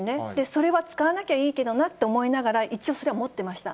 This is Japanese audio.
それは使わなきゃいいけどなと思いながら、一応それは持ってました。